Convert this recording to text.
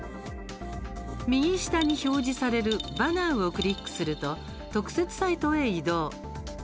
右下に表示されるバナーをクリックすると特設サイトへ移動。